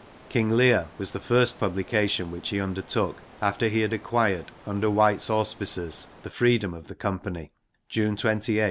King Leir was the first publication which he undertook, after he had acquired, under White's auspices, his freedom of the Company (June 28, 1602).